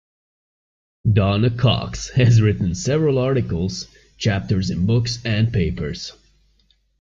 Donna Cox has written several articles, chapters in books and papers.